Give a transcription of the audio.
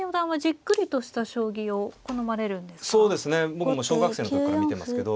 僕も小学生の時から見てますけど。